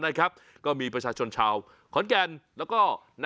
สุดยอดน้ำมันเครื่องจากญี่ปุ่น